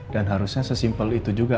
dan harusnya sesimpel itu juga